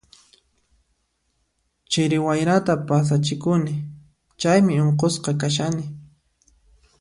Chiri wayrata pasachikuni, chaymi unqusqa kashani.